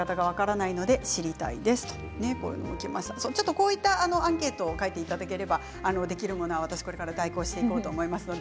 こういったアンケートを書いていただければできるものは、これから代行をしていこうと思います。